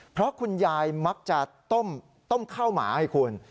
เพราะคุณยายมักจะต้มข้าวหมาให้คุณ